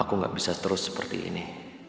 aku gak bisa terus seperti ini